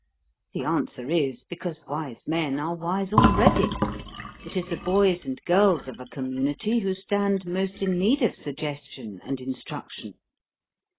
The answer is, because wise men are wise already: it is the boys and girls of a community who stand most in need of suggestion and instruction.